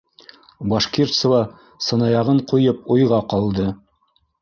Башкирцева, сынаяғын ҡуйып, уйға ҡалды: